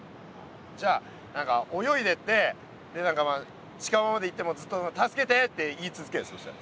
じゃあ何か泳いでってで何かまあ近場まで行ってもうずっと「助けて」って言い続けるそしたら。